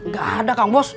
gak ada kang bos